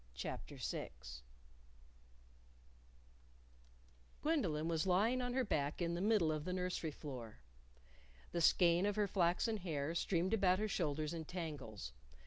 CHAPTER VI Gwendolyn was lying on her back in the middle of the nursery floor. The skein of her flaxen hair streamed about her shoulders in tangles.